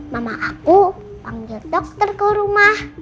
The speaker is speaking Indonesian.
mama aku panggil dokter ke rumah